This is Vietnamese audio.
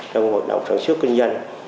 trong hội động sản xuất kinh doanh